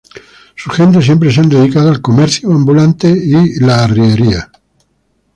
Sus gentes siempre se han dedicado al comercio ambulante y la arriería.